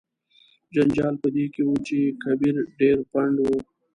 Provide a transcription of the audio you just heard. جنجال په دې کې و چې کبیر ډیر پنډ و.